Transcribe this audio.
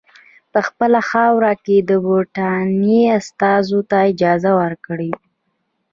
په خپله خاوره کې د برټانیې استازو ته اجازه ورکړي.